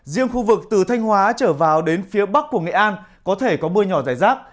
riêng khu vực từ thanh hóa trở vào đến phía bắc của nghệ an có thể có mưa nhỏ rải rác